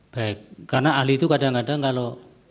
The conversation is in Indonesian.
baik karena ahli itu kadang kadang kalau